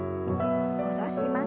戻します。